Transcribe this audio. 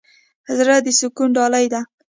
زړه د سکون ډالۍ ده.